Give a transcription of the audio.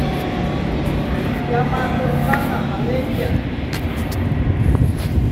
llama a tu hermana. ¡ Valeria!